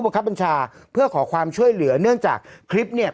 บังคับบัญชาเพื่อขอความช่วยเหลือเนื่องจากคลิปเนี่ย